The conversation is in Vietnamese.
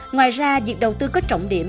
ngoài ra việc đầu tư có trọng điểm